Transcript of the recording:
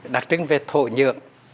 đặc trưng về thộ nhượng